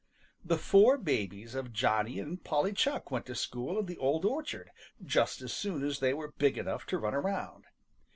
The four babies of Johnny and Polly Chuck went to school in the Old Orchard just as soon as they were big enough to run around.